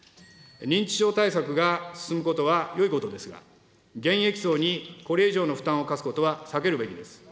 認知症対策が進むことはよいことですが、現役層にこれ以上の負担を課すことは避けるべきです。